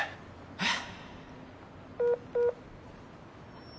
えっ？